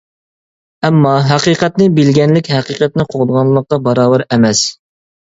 ئەمما، ھەقىقەتنى بىلگەنلىك ھەقىقەتنى قوغدىغانلىققا باراۋەر ئەمەس.